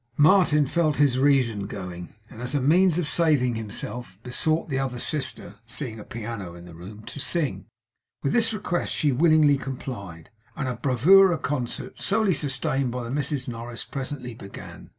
Martin felt his reason going; and as a means of saving himself, besought the other sister (seeing a piano in the room) to sing. With this request she willingly complied; and a bravura concert, solely sustained by the Misses Noriss, presently began.